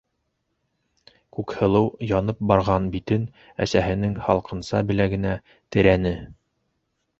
Күкһылыу янып барған битен әсәһенең һалҡынса беләгенә терәне.